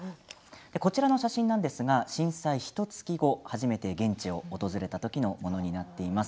こちらの写真は震災ひとつき後初めて現地を訪れた時のものになっています。